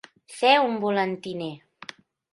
Ser un volantiner.